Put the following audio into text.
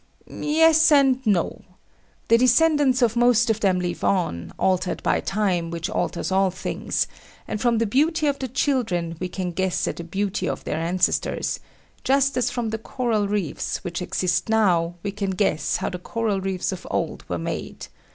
Yes, and no. The descendants of most of them live on, altered by time, which alters all things; and from the beauty of the children we can guess at the beauty of their ancestors; just as from the coral reefs which exist now we can guess how the coral reefs of old were made.